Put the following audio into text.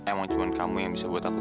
emang cuma kamu yang bisa buat aku